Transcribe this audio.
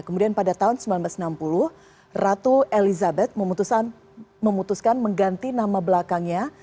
kemudian pada tahun seribu sembilan ratus enam puluh ratu elizabeth memutuskan mengganti nama belakangnya